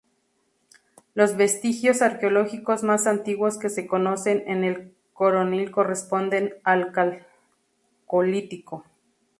Los vestigios arqueológicos más antiguos que se conocen en El Coronil corresponden al Calcolítico.